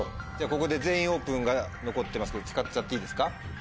ここで「全員オープン」が残ってますけど使っちゃっていいですか？